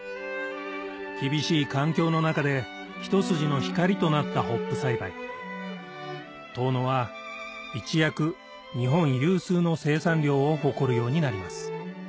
厳しい環境の中で一筋の光となったホップ栽培遠野は一躍日本有数の生産量を誇るようになります